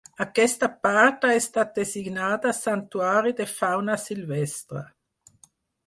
Aquesta part ha estat designada santuari de fauna silvestre.